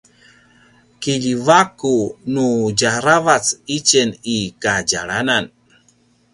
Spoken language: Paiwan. kiljivaku nu djaravac itjen i kadjalanan